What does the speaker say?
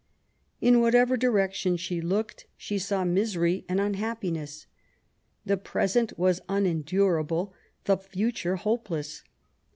In whatever direction she looked, she saw misery and unhappiness. The present was unendurable, the future hopeless.